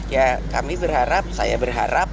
ya kami berharap saya berharap